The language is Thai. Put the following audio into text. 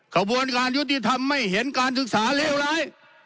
กระบวนการยุติธรรมไม่เห็นการศึกษาเลวร้าย